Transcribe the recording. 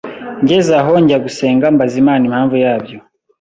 ngeze aho njya gusenga mbaza Imana impamvu yabyo